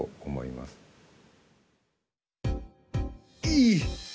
いい！